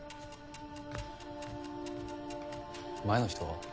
前の人は？